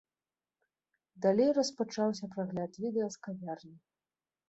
Далей распачаўся прагляд відэа з кавярні.